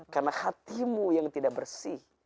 karena hatimu yang tidak bersih